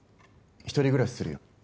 一人暮らしするよ。